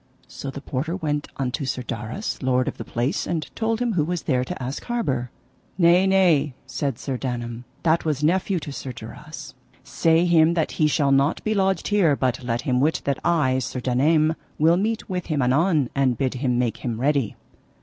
So the porter went unto Sir Darras, lord of the place, and told him who was there to ask harbour. Nay, nay, said Sir Daname, that was nephew to Sir Darras, say him that he shall not be lodged here, but let him wit that I, Sir Daname, will meet with him anon, and bid him make him ready.